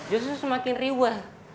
justru semakin riwah